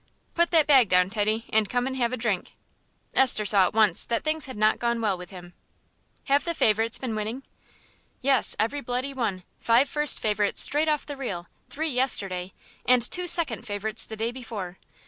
"Put that bag down, Teddy, and come and have a drink." Esther saw at once that things had not gone well with him. "Have the favourites been winning?" "Yes, every bloody one. Five first favourites straight off the reel, three yesterday, and two second favourites the day before.